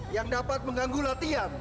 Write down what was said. yang dapat mengganggu latihan